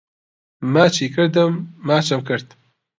ماچی کردم ماچم کرد